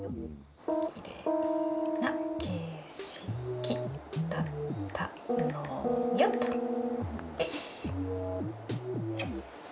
きれいな景色だったのよとよし。